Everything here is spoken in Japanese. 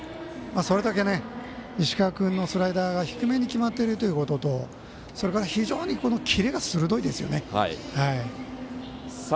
それだけ、石川君のスライダーが低めに決まっているということと非常にキレが鋭いですよね。